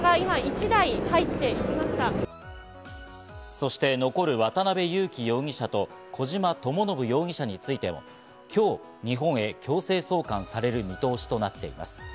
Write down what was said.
そして残る渡辺優樹容疑者と小島智信容疑者についても、今日、日本へ強制送還される見通しとなっています。